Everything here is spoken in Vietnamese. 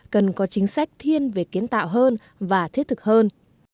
cần có chính sách thiên về kiến tạo hơn và thiết thực hơn